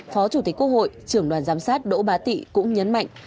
phó chủ tịch quốc hội trưởng đoàn giám sát đỗ bá tị cũng nhấn mạnh